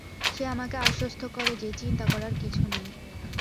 সে আমাকে আশ্বস্ত করে যে চিন্তা করার কিছু নেই।